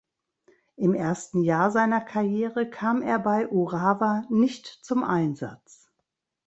Im ersten Jahr seiner Karriere kam er bei Urawa nicht zum Einsatz.